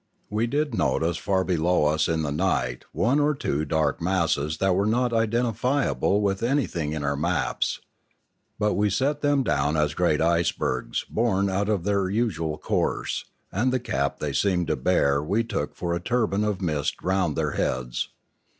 We did notice far below us in the night one or two dark masses that were not identifiable with anything in our maps. But we set them down as great icebergs, borne out of their usual course; and the cap they seemed to bear we took for a turban of mist round their heads.